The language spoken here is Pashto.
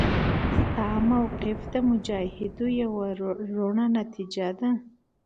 ستا موقف د مجاهدو یوه رڼه نتیجه ده.